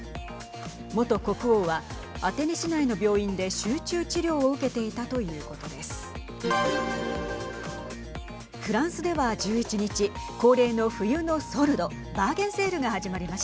元国王はアテネ市内の病院で集中治療を受けていたということです。